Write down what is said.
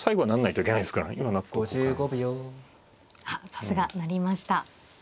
あっさすが成りました。